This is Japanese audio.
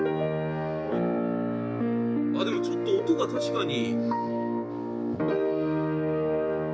あっでもちょっと音が確かに。